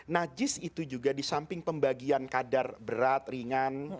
najis itu juga disamping pembagian kadar berat ringan